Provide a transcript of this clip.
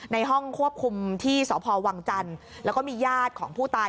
ในห้องควบคุมที่สพวังจันทร์แล้วก็มีญาติของผู้ตาย